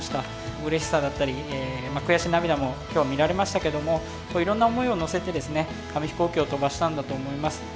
うれしさだったり悔し涙も今日見られましたけどもいろんな思いを乗せて紙飛行機を飛ばしたんだと思います。